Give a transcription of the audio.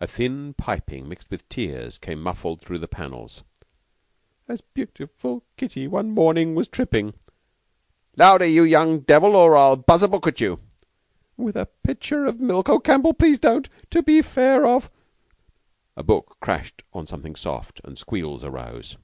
A thin piping mixed with tears came muffled through the panels. "'As beautiful Kitty one morning was tripping '" "Louder, you young devil, or I'll buzz a book at you!" "_With a pitcher of milk _ Oh, Campbell, please don't! _To the fair of _" A book crashed on something soft, and squeals arose.